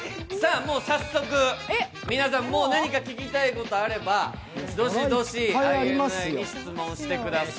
早速、皆さん、もう何か聞きたいことあれば、どしどしＩＮＩに質問してください。